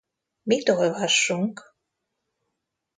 Mit olvassunk?